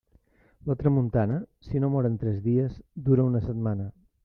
La tramuntana, si no mor en tres dies, dura una setmana.